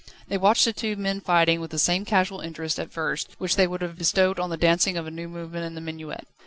They watched the two men fighting, with the same casual interest, at first, which they would have bestowed on the dancing of a new movement in the minuet.